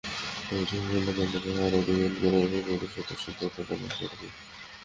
তবে ঝুঁকিপূর্ণ কেন্দ্র পাহারায় দুজন করে বেশি পুলিশ সদস্য দায়িত্ব পালন করবেন।